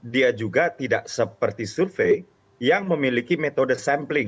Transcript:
dia juga tidak seperti survei yang memiliki metode sampling